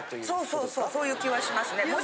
そうそうそういう気はしますね。